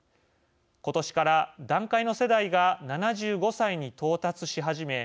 今年から団塊の世代が７５歳に到達し始め